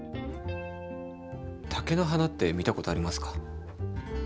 竹の花って見たことありますか？